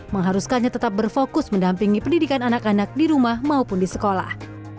mengharuskannya tetap berfokus mendampingi pendidikan anak anak di rumah maupun di sekolah